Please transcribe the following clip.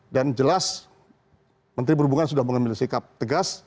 dan jelas menteri perhubungan sudah mengambil sikap tegas